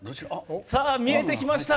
見えてきました！